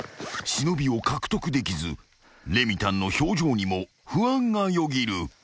［忍を獲得できずレミたんの表情にも不安がよぎる］